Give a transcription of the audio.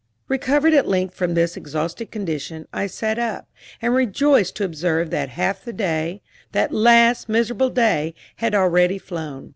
Recovered at length from this exhausted condition, I sat up, and rejoiced to observe that half the day that last miserable day had already flown.